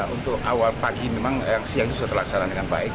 untuk awal pagi memang siang itu sudah terlaksana dengan baik